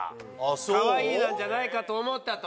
「かわいい」なんじゃないかと思ったと。